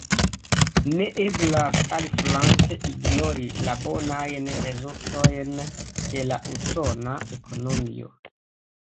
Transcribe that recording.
Ne eblas aliflanke ignori la bonajn rezultojn de la usona ekonomio.